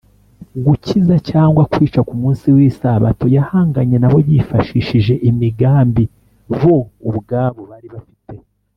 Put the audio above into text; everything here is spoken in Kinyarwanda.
gukiza cyangwa kwica ku munsi w’isabato, yahanganye na bo yifashishije imigambi bo ubwabo bari bafite